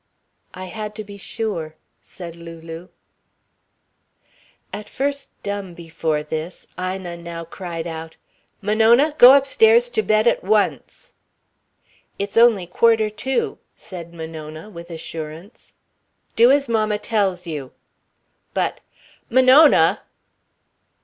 "I had to be sure," said Lulu. At first dumb before this, Ina now cried out: "Monona! Go upstairs to bed at once." "It's only quarter to," said Monona, with assurance. "Do as mamma tells you." "But " "Monona!"